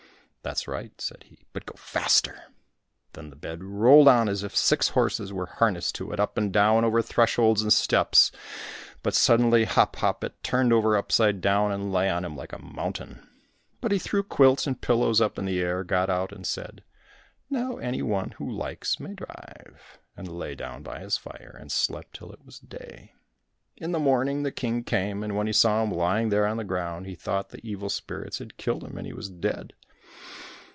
"That's right," said he, "but go faster." Then the bed rolled on as if six horses were harnessed to it, up and down, over thresholds and steps, but suddenly hop, hop, it turned over upside down, and lay on him like a mountain. But he threw quilts and pillows up in the air, got out and said, "Now any one who likes, may drive," and lay down by his fire, and slept till it was day. In the morning the King came, and when he saw him lying there on the ground, he thought the evil spirits had killed him and he was dead.